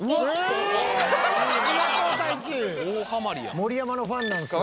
盛山のファンなんですよ。